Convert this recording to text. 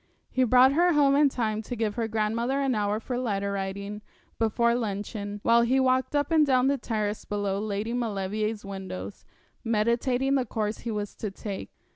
He brought her home in time to give her grandmother an hour for letter writing before luncheon, while he walked up and down the terrace below Lady Maulevrier's windows, meditating the course he was to take.